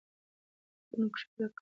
پۀ فکرونو کښې ورک ووم چې نورصادق وويل